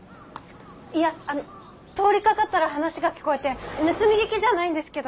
いや通りかかったら話が聞こえて盗み聞きじゃないんですけど。